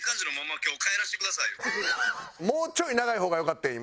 もうちょい長い方がよかってん